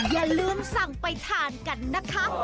อย่าลืมสั่งไปทานกันนะคะ